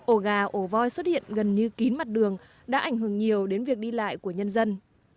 ổ gà ổ voi xuất hiện gần như kín mặt đường đã ảnh hưởng nhiều đến việc đi lại của nhân dân